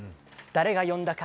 誰が呼んだか